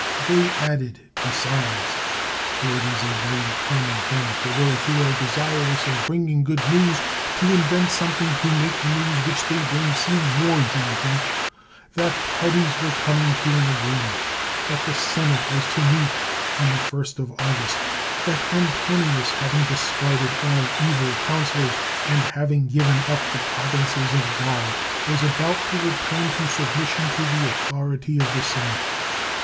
They added besides (for it is a very common thing for those who are desirous of bringing good news to invent something to make the news which they bring seem more joyful) that parties were coming to an agreement; that the senate was to meet on the first of August; that Antonius having dis carded all evil counselors, and having given up the provinces of Gaul, was about to return to submission to the authority of the senate.